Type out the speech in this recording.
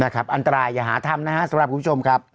นะครับอันตรายอย่าหาทำนะฮะสำหรับคุณผู้ชมครับ